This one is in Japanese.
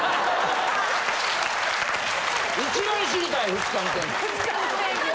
一番知りたい２日の天気。